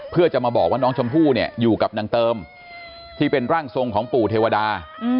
เพื่อจะมาบอกว่าน้องชมพู่เนี่ยอยู่กับนางเติมที่เป็นร่างทรงของปู่เทวดา